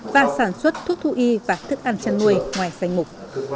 và sản xuất thuốc thú y và thức ăn chăn nuôi ngoài danh mục